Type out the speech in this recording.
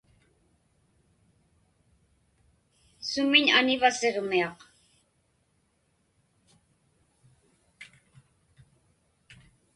Sumiñ aniva Siġmiaq?